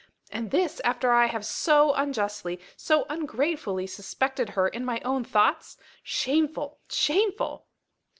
And this after I have so unjustly, so ungratefully suspected her in my own thoughts? Shameful! shameful!"